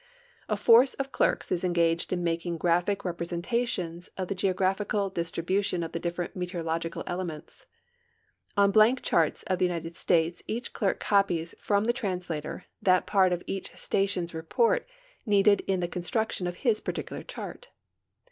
A force of clerks is engaged in making graphic rep resentations of the geographical distribution of the different meteorological elements. On blank charts of the United States each clei'k copies from the translator that part of each station's report needed in the construction of his particular chart.